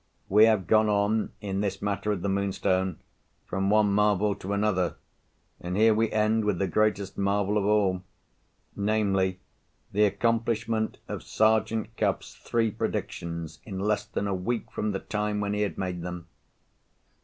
We have gone on, in this matter of the Moonstone, from one marvel to another; and here we end with the greatest marvel of all—namely, the accomplishment of Sergeant Cuff's three predictions in less than a week from the time when he had made them.